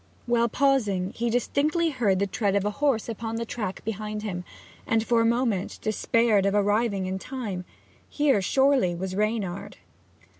While pausing he distinctly heard the tread of a horse upon the track behind him, and for a moment despaired of arriving in time: here, surely, was Reynard!